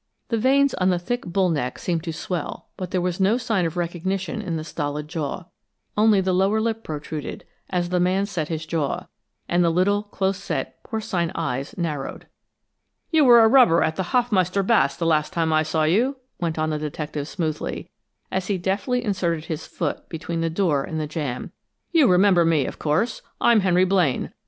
The veins on the thick bull neck seemed to swell, but there was no sign of recognition in the stolid jaw. Only the lower lip protruded as the man set his jaw, and the little, close set, porcine eyes narrowed. "You were a rubber at the Hoffmeister Baths the last time I saw you," went on the detective, smoothly, as he deftly inserted his foot between the door and jamb. "You remember me, of course. I'm Henry Blaine.